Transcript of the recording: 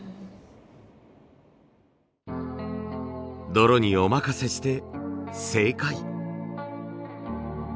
泥にお任せして正解。